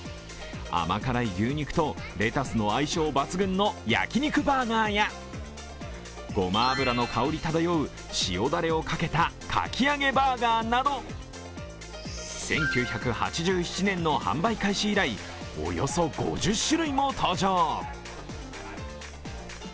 甘辛い牛肉とレタスの相性抜群の焼き肉バーガーやごま油の香り漂う塩だれをかけたかき揚げバーガーなど１９８７年の販売開始以来およそ５０種類も登場。